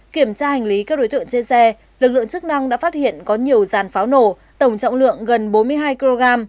kiểm tra hành lý các đối tượng trên xe lực lượng chức năng đã phát hiện có nhiều dàn pháo nổ tổng trọng lượng gần bốn mươi hai kg